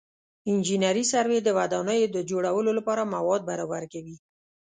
انجنیري سروې د ودانیو د جوړولو لپاره مواد برابر کوي